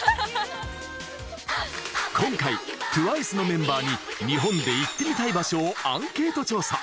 今回、ＴＷＩＣＥメンバーに日本で行ってみたい場所をアンケート調査。